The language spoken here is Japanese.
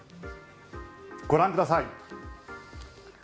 ご覧ください。